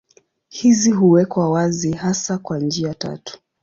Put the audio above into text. Hizi huwekwa wazi hasa kwa njia tatu.